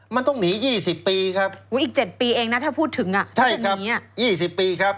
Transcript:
มันต้องหนี๒๐ปีครับอีก๗ปีเองนะถ้าพูดถึงอ่ะใช่ครับ๒๐ปีครับ